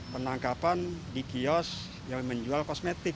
penangkapan di kios yang menjual kosmetik